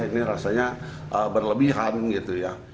ini rasanya berlebihan gitu ya